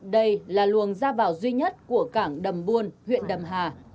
đây là luồng ra vào duy nhất của cảng đầm buôn huyện đầm hà